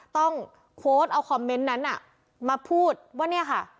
ต้องโพสต์เอาคอมเมนต์นั้นมาพูดว่าเนี่ยค่ะ